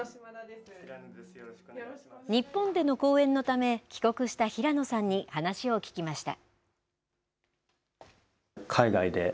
日本での公演のため、帰国した平野さんに話を聞きました。